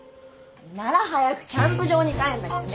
なら早くキャンプ場に帰んなきゃね。